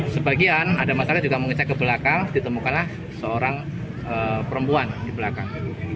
sebagian ada masalah juga mengecek ke belakang ditemukanlah seorang perempuan di belakang